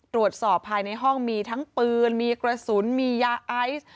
ตรวจสอบภายในห้องมีทั้งปืนมีกระสุนมียาไอซ์